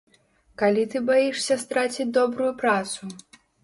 Калі ты баішся страціць добрую працу?